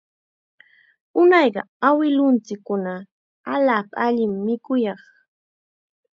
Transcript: Unayqa awilunchikkuna allaapa allim mikuyaq